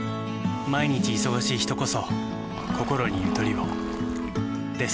毎日忙しい人こそこころにゆとりをです。